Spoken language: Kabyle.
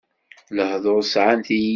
Lehduṛ sɛan tilisa.